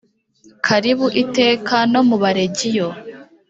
karibu iteka no mu balegiyo